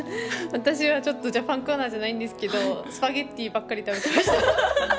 私はジャパンコーナーじゃないんですがスパゲティばかり食べていました。